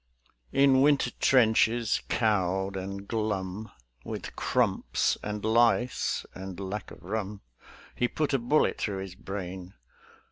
In winter trenches, cowed and glum With crumps and lice and lack of rum, He put a bullet through his brain.